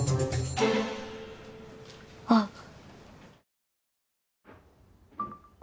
あっ。